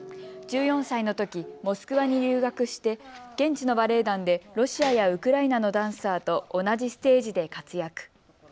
１４歳のとき、モスクワに留学して現地のバレエ団でロシアやウクライナのダンサーと同じステージで活躍。